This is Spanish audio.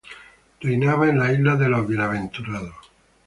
Reinaba en las Islas de los Bienaventurados.